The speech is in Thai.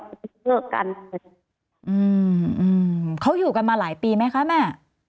เกิดการอืมอืมอืมเขาอยู่กันมาหลายปีไหมคะแม่